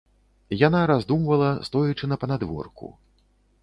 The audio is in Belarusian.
Яна раздумвала, стоячы на панадворку.